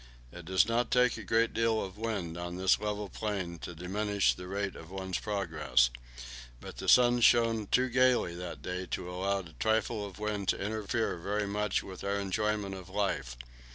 It does not take a great deal of wind on this level plain to diminish the rate of one's progress. But the sun shone too gaily that day to allow a trifle of wind to interfere very much with our enjoyment of life.